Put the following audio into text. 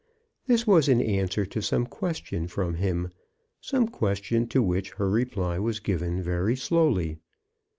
This was in answer to some question from him — some question to which her reply was given very slowly.